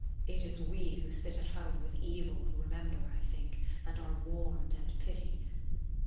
It is we who sit at home with evil who remember, I think, and are warned and pity.